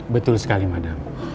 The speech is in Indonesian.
betul sekali madam